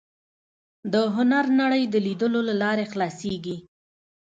د هنر نړۍ د لیدلو له لارې خلاصېږي